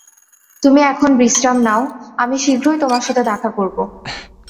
তুমি এখন বিশ্রাম নাও, আমি শীঘ্রই তোমার সাথে দেখা করব।